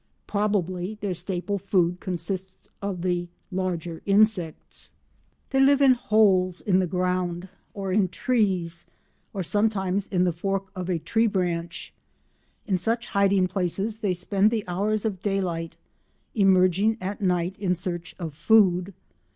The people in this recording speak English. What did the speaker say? Probably their staple food consists of the larger insects. They live in holes in the ground or in trees, or sometimes in the fork of a tree branch. In such hiding places they spend the hours of day light, emerging at night in search of food.